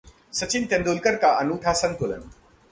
सचिन तेंडुलकर का अनूठा संतुलन